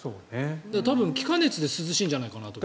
多分気化熱で涼しいんじゃないかなと。